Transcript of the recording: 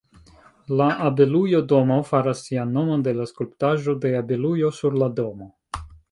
La Abelujo-Domo faras sian nomon de la skulptaĵo de abelujo sur la domo.